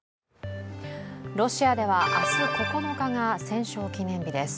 ロシアでは、明日、９日が戦勝記念日です。